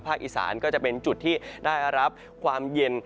อีสานก็จะเป็นจุดที่ได้รับความเย็น